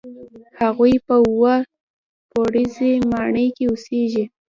هغوی په اووه پوړیزه ماڼۍ کې اوسېږي.